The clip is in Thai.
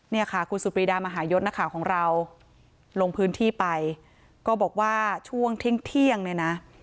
เนี่ยค่ะคุณสุดปรีดามหายศนักข่าวของเราลงพื้นที่ไปก็บอกว่าช่วงเที่ยงเนี่ยนะ